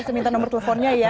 seminta nomor teleponnya ya